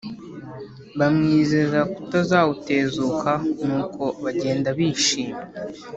bamwizeza kutazawutezukaho, nuko bagenda bishimye